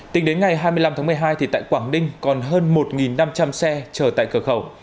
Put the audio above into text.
tính đến ngày hai mươi năm tháng một mươi hai tại quảng ninh còn hơn một năm trăm linh xe chờ tại cửa khẩu